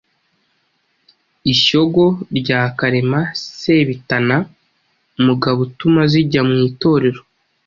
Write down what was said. Ishyogo rya Karema Sebitana Mugabo utuma zijya mu itorero